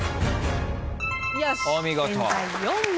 お見事。